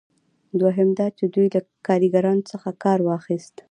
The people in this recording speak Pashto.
دوهم دا چې دوی له کاریګرانو څخه کار واخیست.